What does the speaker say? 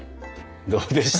どうでした？